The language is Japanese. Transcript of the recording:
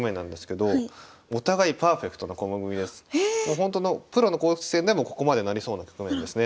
ほんとのプロの公式戦でもここまでなりそうな局面ですね。